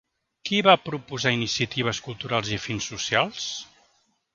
Qui va proposar iniciatives culturals i fins socials?